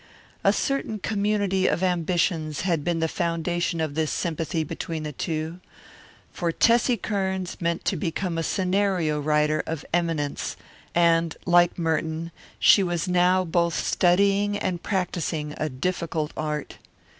A certain community of ambitions had been the foundation of this sympathy between the two, for Tessie Kearns meant to become a scenario writer of eminence, and, like Merton, she was now both studying and practising a difficult art.